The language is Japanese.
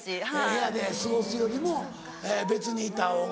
部屋で過ごすよりも別にいた方が。